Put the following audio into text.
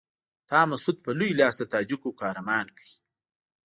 تا مسعود په لوی لاس د تاجکو قهرمان کړ.